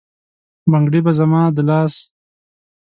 بنګړي به زما د لاس،